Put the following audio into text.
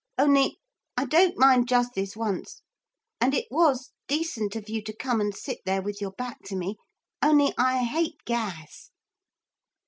Only I don't mind just this once; and it was decent of you to come and sit there with your back to me only I hate gas.'